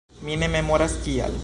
Mi ne memoras, kial.